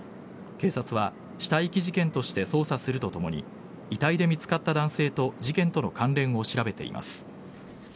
警察は死体遺棄事件として捜査するとともに遺体で見つかった男性と事件との関連を調べています。